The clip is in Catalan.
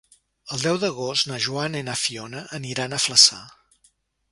El deu d'agost na Joana i na Fiona aniran a Flaçà.